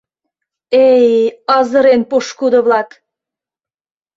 — Эй, азырен пошкудо-влак!